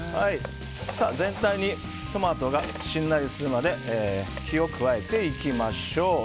全体にトマトがしんなりするまで火を加えていきましょう。